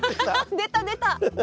出た出た！